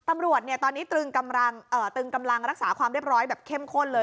ตำรวจตอนนี้ตึงกำลังรักษาความเรียบร้อยแบบเข้มข้นเลย